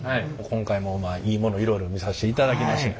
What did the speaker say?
今回もいいものいろいろ見さしていただきました。